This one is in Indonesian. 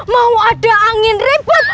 mau ada angin ribut